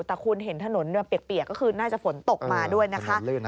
แต่คุณเห็นถนนเปียกก็คือน่าจะฝนตกมาด้วยนะคะ